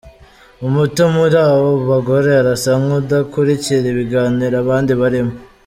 Umuto muri abo bagore arasa nk’udakurikira ibiganiro abandi barimo.